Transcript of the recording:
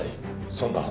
そんな話。